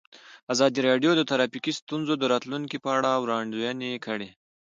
ازادي راډیو د ټرافیکي ستونزې د راتلونکې په اړه وړاندوینې کړې.